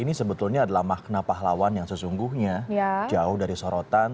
ini sebetulnya adalah makna pahlawan yang sesungguhnya jauh dari sorotan